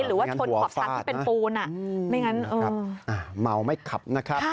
หรือว่าชนขอบทางที่เป็นปูนไม่งั้นเมาไม่ขับนะครับ